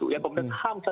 ya komnas ham